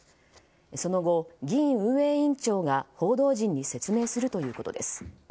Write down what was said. その後、議院運営委員長が報道陣に説明するということです。